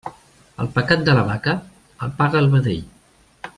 El pecat de la vaca, el paga el vedell.